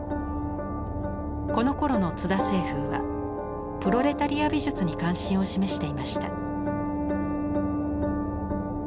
このころの津田青楓はプロレタリア美術に関心を示していました。